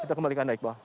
kita kembalikan iqbal